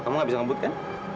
kamu gak bisa ngebut kan